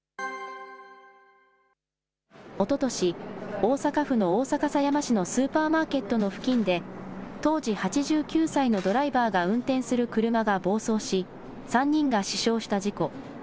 おととし、大阪府の大阪狭山市のスーパーマーケットの付近で、当時８９歳のドライバーが運転する車が暴走し、３人が死傷した事故。